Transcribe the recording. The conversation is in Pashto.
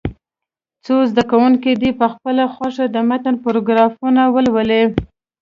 څو زده کوونکي دې په خپله خوښه د متن پاراګرافونه ولولي.